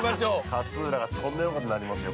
◆勝浦がとんでもないことになりますよ。